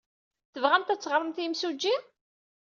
Tebɣamt ad teɣremt i yimsujji?